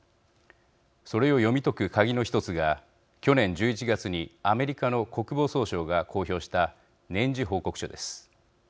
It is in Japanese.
それを読み解くカギの一つが去年１１月にアメリカの国防総省が公表した年次報告書です。